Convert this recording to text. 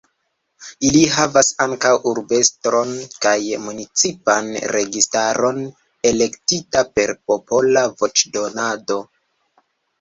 Ii havas ankaŭ urbestron kaj municipan registaron, elektita per popola voĉdonado.